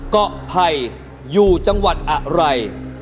เกาะไผ่อยู่จังหวัดอะไร